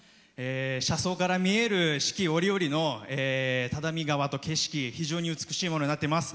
車窓から見える四季折々の只見川と景色、非常に美しいものになっています。